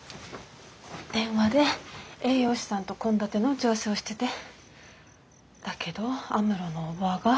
電話で栄養士さんと献立の打ち合わせをしててだけど安室のおばぁが。